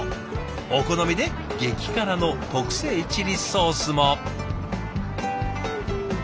お好みで激辛の特製チリソースも。